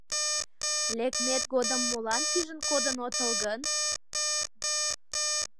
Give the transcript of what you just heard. Лекмет годым молан пижын кодын отыл гын?